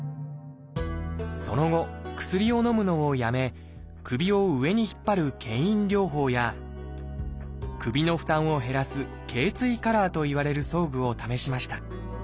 その後薬をのむのをやめ首を上に引っ張る「けん引療法」や首の負担を減らす「頚椎カラー」といわれる装具を試しました。